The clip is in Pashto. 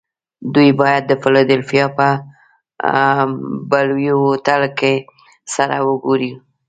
دوی باید د فلادلفیا په بلوویو هوټل کې سره و ګوري